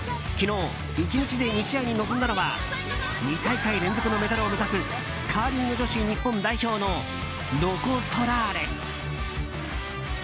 昨日、１日で２試合に臨んだのは２大会連続メダルに臨むカーリング女子日本代表のロコ・ソラーレ。